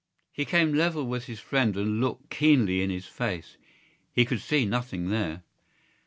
He came level with his friend and looked keenly in his face. He could see nothing there.